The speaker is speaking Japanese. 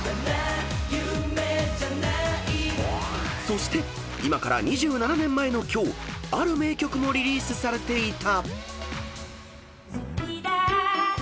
［そして今から２７年前の今日ある名曲もリリースされていた］